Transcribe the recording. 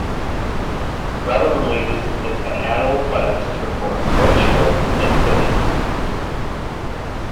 Rabble releases an annual finances report which lists its donors.